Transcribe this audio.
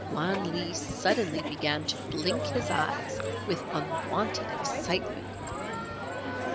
Wan Lee suddenly began to blink his eyes with unwonted excitement.